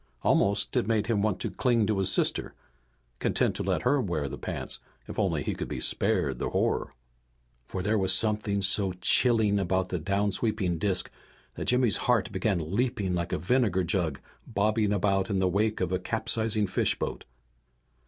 Almost it made him want to cling to his sister, content to let her wear the pants if only he could be spared the horror. For there was something so chilling about the downsweeping disk that Jimmy's heart began leaping like a vinegar jug bobbing about in the wake of a capsizing fishboat.